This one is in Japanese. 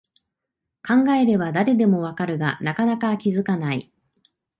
考えれば誰でもわかるが、なかなか気づかない